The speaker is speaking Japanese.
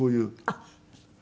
あっ。